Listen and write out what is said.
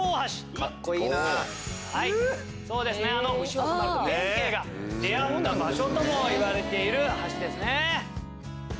あの牛若丸と弁慶が出会った場所ともいわれている橋ですね。